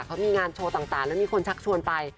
เขามีงานโชว์ต่างแล้วมีคนชักชวนไป